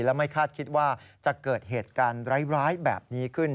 และไม่คาดคิดว่าจะเกิดเหตุการณ์ร้ายแบบนี้ขึ้น